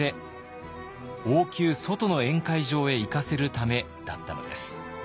王宮外の宴会場へ行かせるためだったのです。